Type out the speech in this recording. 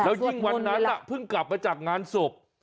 แล้วยิ่งวันนั้นเพิ่งกลับมาจากงานศพ